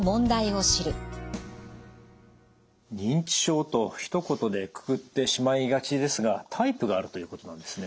認知症とひと言でくくってしまいがちですがタイプがあるということなんですね？